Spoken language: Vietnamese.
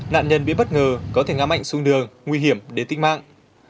nạn nhân bị bất ngờ có thể ngã mạnh xuống đường nguy hiểm để tích mạng